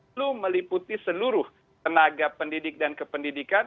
itu meliputi seluruh tenaga pendidik dan kependidikan